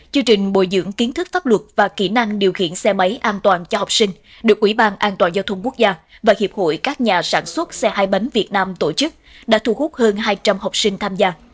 chương trình bồi dưỡng kiến thức pháp luật và kỹ năng điều khiển xe máy an toàn cho học sinh được ủy ban an toàn giao thông quốc gia và hiệp hội các nhà sản xuất xe hai bánh việt nam tổ chức đã thu hút hơn hai trăm linh học sinh tham gia